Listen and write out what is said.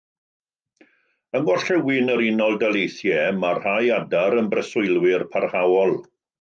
Yng ngorllewin yr Unol Daleithiau, mae rhai adar yn breswylwyr parhaol.